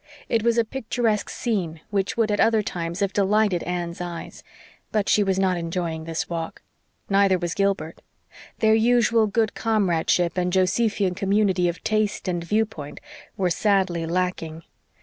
It was a picturesque scene which would at other times have delighted Anne's eyes; but she was not enjoying this walk. Neither was Gilbert. Their usual good comradeship and Josephian community of taste and viewpoint were sadly lacking.